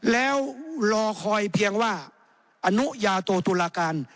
แล้วรอคอยเพียงว่าอนุญาโตตุลาการ